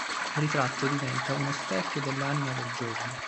Il ritratto diventa uno specchio dell'anima del giovane.